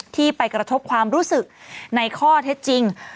ที่ไปกระทบความรู้สึกในข้อเท็จจริง